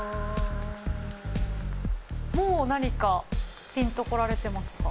もう何かピンと来られてますか？